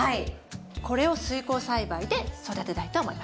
これを水耕栽培で育てたいと思います。